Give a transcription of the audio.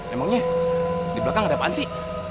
emangnya di belakang ada apaan sih